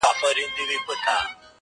د حیا په حجاب پټي چا دي مخ لیدلی نه دی،